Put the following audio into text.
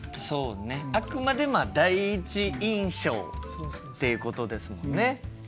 そうねあくまで第一印象ってことですもんね。